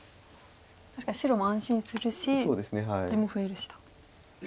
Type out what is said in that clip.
確かに白も安心するし地も増えるしと。